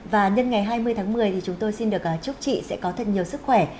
và nhân ngày hai mươi tháng một mươi thì chúng tôi xin được chúc chị sẽ có thật nhiều sức khỏe